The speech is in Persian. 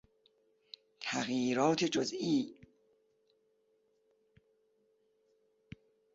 تغییرات جزئی